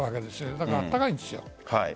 だからあったかいんです。